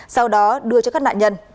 sau đó đưa cho các nạn nhân